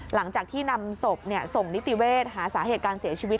หลังจากที่นำศพส่งนิติเวศหาสาเหตุการเสียชีวิต